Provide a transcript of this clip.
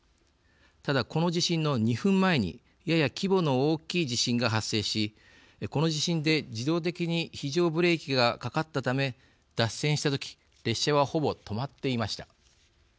ただ、この地震の２分前にやや規模の大きい地震が発生しこの地震で自動的に非常ブレーキがかかったため脱線した時列車はほぼ止まっていました。